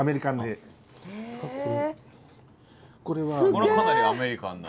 これもかなりアメリカンな。